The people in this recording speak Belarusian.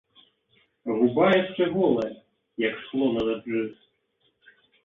Губа яшчэ голая, як шкло на дажджы.